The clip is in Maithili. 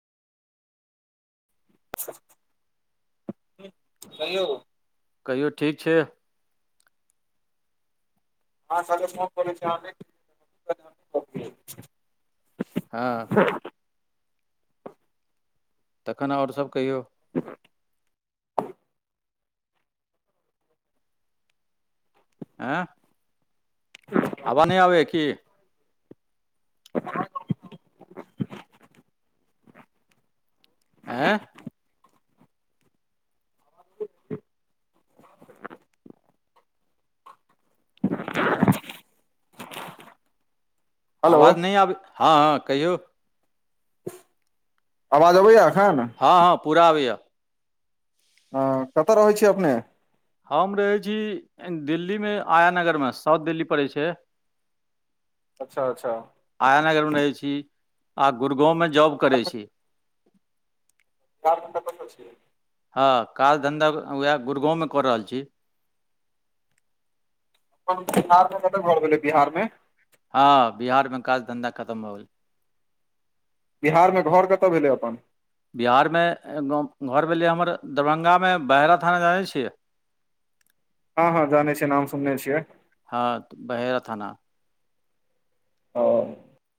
कहियौ कहियौ ठीक छै आ हाँ अके फोन करै छी [unintelligible] हँ तखन आओर सब कहियौ [inaudible] आँ हवा नै आबै या की [inaudible] आँ हेलो आवाज नहि आबै हँ हँ कहियौ। आवाज अबैये एखन हँ हँ पूरा आबैय यो हँ कतय रहैत छियै अपने हम रहै छी दिल्लीमे आया नगरमे साउथ दिल्ली पड़ैत छै अच्छा अच्छा। आया नगरमे रहै छी आ गुरगाँवमे जॉब करै छी [unintelligible] चार घण्टा बस छियै हँ काज धन्धा उएहा गुड़गाँवमे कऽ रहल छी [unintelligible] बिहार मे कत घर भेलै बिहार मे हँ बिहारमे काज धन्धा खतम भऽ गेल बिहारमे घर कतऽ भेलै अपने बिहारमे घर भेले हमर दरभंगामे बहरा थाना जानै छियै [unintelligible] हँ हँ जाने छियै नाम सुनने छियै। हँ बहेरा थाना। आओ [inaudible]